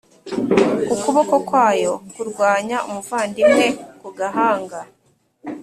ukuboko kwayo kurwanya umuvandimwe, ku gahanga